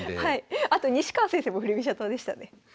あと西川先生も振り飛車党でしたね。